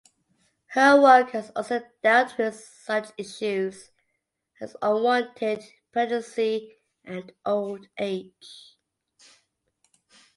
Her work has also dealt with such issues as unwanted pregnancy and old age.